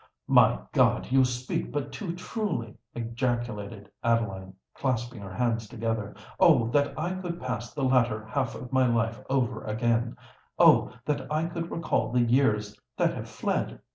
"My God! you speak but too truly!" ejaculated Adeline, clasping her hands together. "Oh! that I could pass the latter half of my life over again—oh! that I could recall the years that have fled!"